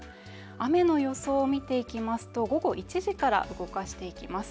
雨の予想を見ていきますと午後１時から、動かしていきます。